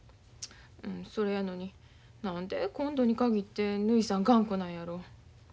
それやのに何で今度に限ってぬひさん頑固なんやろ。